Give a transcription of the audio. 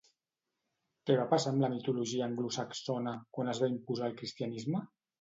Què va passar amb la mitologia anglosaxona quan es va imposar el cristianisme?